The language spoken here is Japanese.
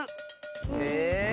え⁉